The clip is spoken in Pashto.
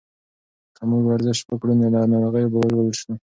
که موږ ورزش وکړو نو له ناروغیو به وژغورل شو.